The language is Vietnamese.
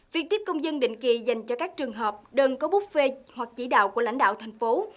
việc tiếp công dân định kỳ dành cho các trường hợp đơn có bút phê hoặc chỉ đạo của lãnh đạo thành phố